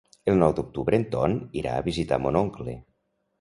El nou d'octubre en Ton irà a visitar mon oncle.